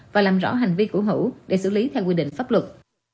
và làm rõ hành vi của hữu để xử lý theo quy định pháp luật